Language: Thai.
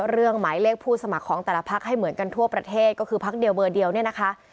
หมายเลขผู้สมัครของแต่ละพักให้เหมือนกันทั่วประเทศก็คือพักเดียวเบอร์เดียวเนี่ยนะคะ